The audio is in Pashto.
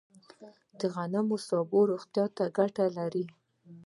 د غنمو سبوس روغتیا ته ګټه لري.